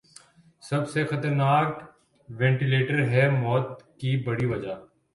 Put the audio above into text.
سب سے خطرناک ونٹیلیٹر ہے موت کی بڑی وجہ ۔